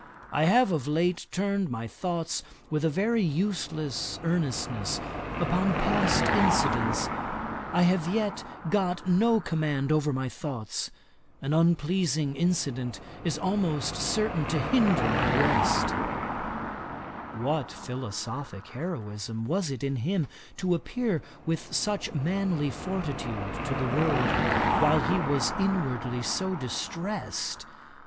I have of late turned my thoughts with a very useless earnestness upon past incidents. I have yet got no command over my thoughts; an unpleasing incident is almost certain to hinder my rest.' What philosophick heroism was it in him to appear with such manly fortitude to the world, while he was inwardly so distressed!